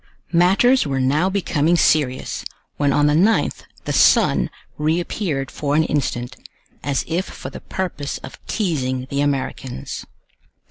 Matters were now becoming serious, when on the 9th the sun reappeared for an instant, as if for the purpose of teasing the Americans.